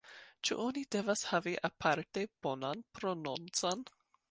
Ĉu oni devas havi aparte bonan prononcon?